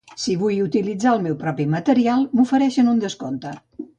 Si vull utilitzar el meu propi material, m'ofereixen un descompte.